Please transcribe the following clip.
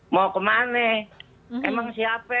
mau ke mana emang siapa